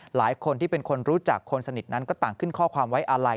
หลายคนที่เป็นคนรู้จักคนสนิทนั้นก็ต่างขึ้นข้อความไว้อาลัย